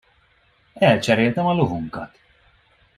Elcseréltem a lovunkat.